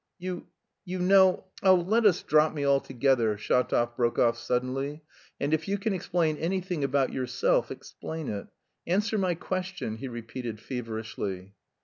"You... you know.... Oh, let us drop me altogether," Shatov broke off suddenly, "and if you can explain anything about yourself explain it.... Answer my question!" he repeated feverishly.